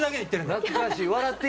懐かしい。